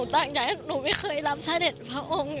ตั้งใจหนูไม่เคยลำแท้เด็กพ่อองค์